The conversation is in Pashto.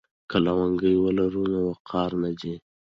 که لونګۍ ولرو نو وقار نه ځي.